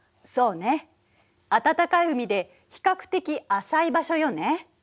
暖かい海で比較的浅い場所よね。